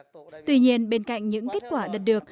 tuy nhiên bên cạnh những kết quả đạt được